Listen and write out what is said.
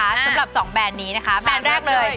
สำหรับ๒แบรนด์นี้นะคะแบรนด์แรกเลย